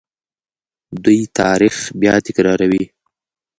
دوی تاریخ بیا تکراروي.